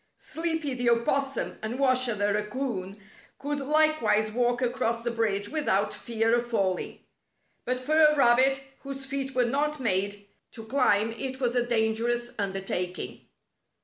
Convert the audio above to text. Sleepy the Opossum and Washer the Raccoon could likewise walk across the bridge without fear of falling. But for a rabbit, whose feet were not made to climb, it was a dangerous undertak ing.